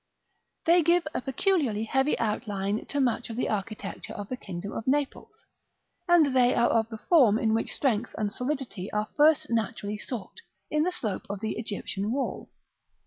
They give a peculiarly heavy outline to much of the architecture of the kingdom of Naples, and they are of the form in which strength and solidity are first naturally sought, in the slope of the Egyptian wall.